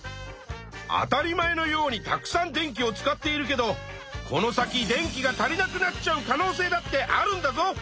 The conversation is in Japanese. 当たり前のようにたくさん電気を使っているけどこの先電気が足りなくなっちゃう可能せいだってあるんだぞ！